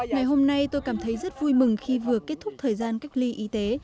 ngày hôm nay tôi cảm thấy rất vui mừng khi vừa kết thúc thời gian cách ly y tế